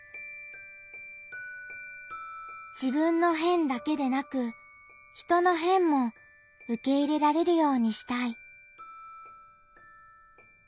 「自分の『変』だけでなく人の『変』もうけいれられるようにしたい」。